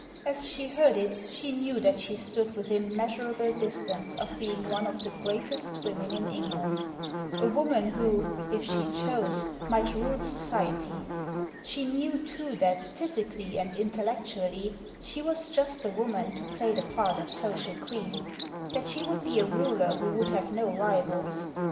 As she heard it she knew that she stood within measurable distance of being one of the greatest women in England — a woman who, if she chose, might rule society. She knew, too, that, physically and in tellectually, she was just the woman to play the part of social queen — that she would be a ruler who would have no rivals.